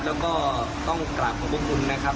แล้วก็ต้องตามมาขอบคุณครับ